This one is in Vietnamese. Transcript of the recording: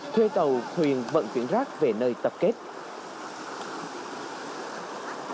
thuê tàu thuyền vận chuyển rác về nơi tập kết